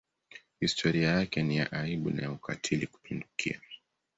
Historia yake ni ya aibu na ya ukatili kupindukia.